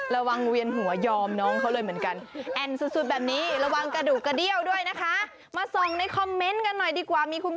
เวียนหัวยอมน้องเขาเลยเหมือนกัน